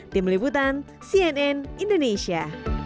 tim liputan cnn indonesia